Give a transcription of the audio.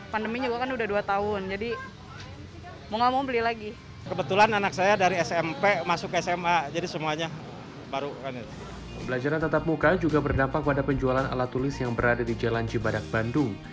pembelajaran tetap muka juga berdampak pada penjualan alat tulis yang berada di jalan cibadak bandung